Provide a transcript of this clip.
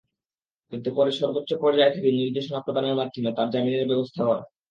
কিন্তু পরে সর্বোচ্চ পর্যায় থেকে নির্দেশনা প্রদানের মাধ্যমে তাঁর জামিনের ব্যবস্থা হয়।